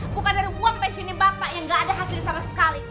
bukan dari uang pensiunnya bapak yang gak ada hasil sama sekali